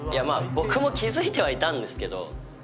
まあ僕も気付いてはいたんですけど。